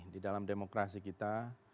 di dalam demokrasi kita